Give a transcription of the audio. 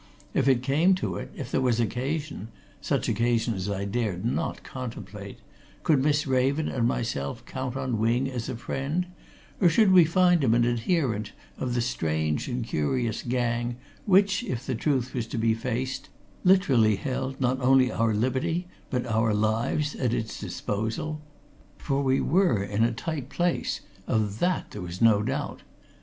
If it came to it, if there was occasion such occasion as I dared not contemplate could Miss Raven and myself count on Wing as a friend, or should we find him an adherent of the strange and curious gang, which, if the truth was to be faced, literally held not only our liberty, but our lives at its disposal? For we were in a tight place of that there was no doubt.